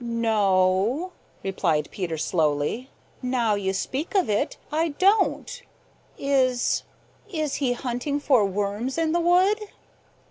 "No o," replied Peter slowly. "Now you speak of it, I don't. Is is he hunting for worms in the wood?"